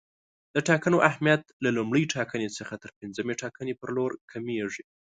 د ټاکنو اهمیت له لومړۍ ټاکنې څخه تر پنځمې ټاکنې پر لور کمیږي.